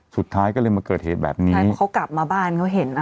สุดท้ายก็เลยมาเกิดเหตุแบบนี้ใช่เพราะเขากลับมาบ้านเขาเห็นอ่ะ